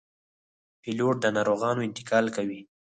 پیلوټ د ناروغانو انتقال کوي.